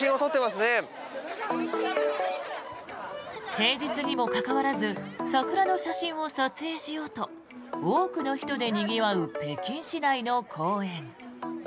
平日にもかかわらず桜の写真を撮影しようと多くの人でにぎわう北京市内の公園。